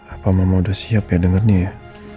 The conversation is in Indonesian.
apa mama udah siap ya dengernya ya